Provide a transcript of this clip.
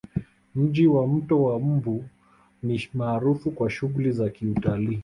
Mji wa mto wa mbu ni maarufu kwa shughuli za Kiutalii